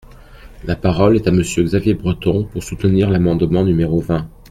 La parole est à Monsieur Xavier Breton, pour soutenir l’amendement numéro vingt.